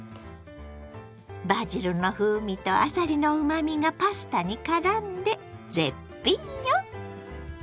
バジルの風味とあさりのうまみがパスタにからんで絶品よ！